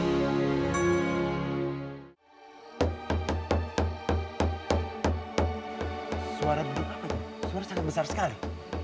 di suara betuk apanya suara sangat besar sekali